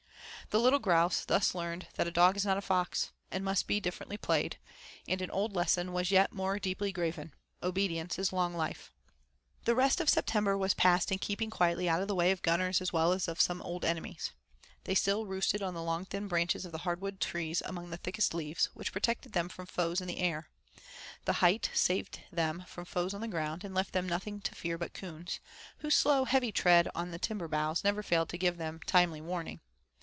The little grouse thus learned that a dog is not a fox, and must be differently played; and an old lesson was yet more deeply graven 'Obedience is long life.' The rest of September was passed in keeping quietly out of the way of gunners as well as some old enemies. They still roosted on the long thin branches of the hardwood trees among the thickest leaves, which protected them from foes in the air; the height saved them from foes on the ground, and left them nothing to fear but coons, whose slow, heavy tread on the timber boughs never failed to give them timely warning.